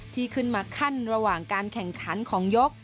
ที่ขึ้นมาขั้นระหว่างการแข่งขันของยก